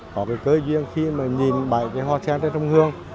có cái cơ duyên khi mà nhìn bầy cái hoa sen tới sông hương